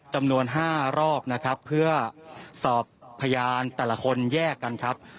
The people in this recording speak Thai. จำนวน๕รอบนะครับเพื่อสอบพยานแต่ละคนแยกกันครับ